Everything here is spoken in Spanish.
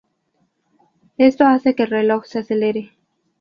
Esto hace que el reloj se acelere.